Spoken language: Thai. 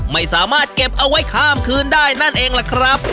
ไม่สามารถเก็บเอาไว้ข้ามคืนได้นั่นเองล่ะครับ